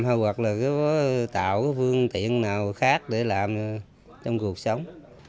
hoặc là có tạo cái phương tiện nào khác để làm trong cuộc sống